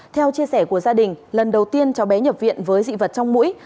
theo chia sẻ của gia đình lần đầu tiên cháu bé nhập viện với dị vật trong mũi